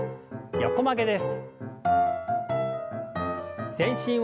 横曲げです。